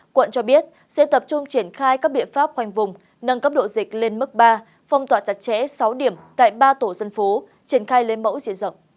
quận cho biết sẽ tập trung triển khai các biện pháp khoanh vùng nâng cấp độ dịch lên mức ba phong tỏa chặt chẽ sáu điểm tại ba tổ dân phố triển khai lấy mẫu diệt rộng